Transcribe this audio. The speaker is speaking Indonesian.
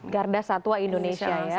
gardasatua indonesia ya